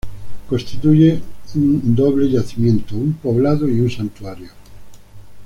Constituye un doble yacimiento, un poblado y un santuario.